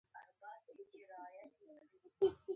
اوس زه کار کوم لږ صبر